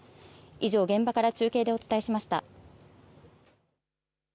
以上、現場から中継でお伝えしました。